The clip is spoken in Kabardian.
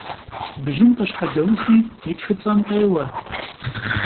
Бжьым къыщхьэдэухи, и тхыцӀэм къеуэ.